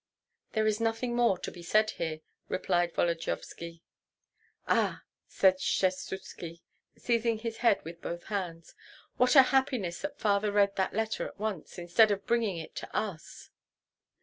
"There is nothing more to be said here!" replied Volodyovski. "Ah!" said Skshetuski, seizing his head with both hands, "what a happiness that father read that letter at once, instead of bringing it to us!"